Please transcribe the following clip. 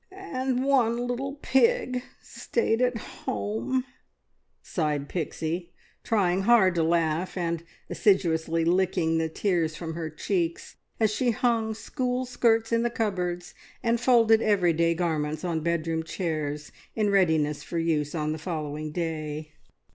"And one little p ig stayed at h ome," sighed Pixie, trying hard to laugh, and assiduously licking the tears from her cheeks, as she hung school skirts in the cupboards, and folded everyday garments on bedroom chairs, in readiness for use on the following day.